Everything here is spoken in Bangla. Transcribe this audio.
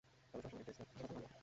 তবে সবসময় এই টেস্টটা সঠিক হয়না।